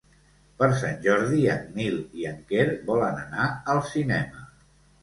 Per Sant Jordi en Nil i en Quer volen anar al cinema.